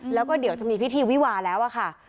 แล้วก็เดี๋ยวจะมีพิธีวิวาแล้วอะค่ะ